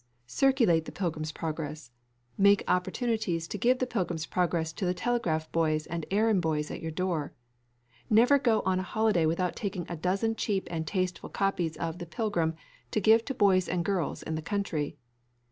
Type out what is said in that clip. Circulate the Pilgrim's Progress. Make opportunities to give the Pilgrim's Progress to the telegraph boys and errand boys at your door. Never go on a holiday without taking a dozen cheap and tasteful copies of The Pilgrim to give to boys and girls in the country.